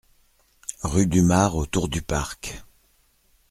Rue du Mare au Tour-du-Parc